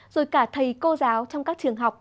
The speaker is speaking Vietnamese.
rồi cả thầy cô giáo trong các trường học